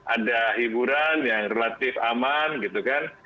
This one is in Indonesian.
ada hiburan yang relatif aman gitu kan